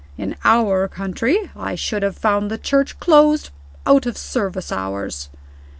In our country I should have found the church closed, out of service hours."